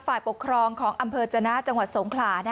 ฝ่ายปกครองของอำเภอจนะจังหวัดสงขลา